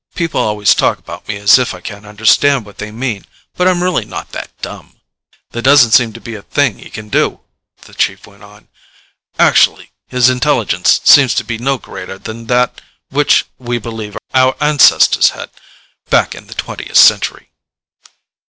People always talk about me as if I can't understand what they mean. But I'm really not that dumb. "There doesn't seem to be a thing he can do," the Chief went on. "Actually, his intelligence seems to be no greater than that which we believe our ancestors had, back in the twentieth century."